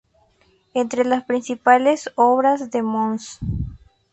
Entre las principales obras de mons.